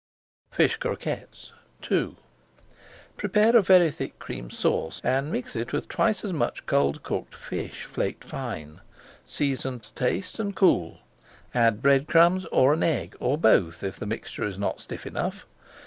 FISH CROQUETTES II Prepare a very thick Cream Sauce and mix it with twice as much cold cooked fish flaked fine. Season to taste and cool. Add bread crumbs or an egg, or both, if the mixture is not stiff enough.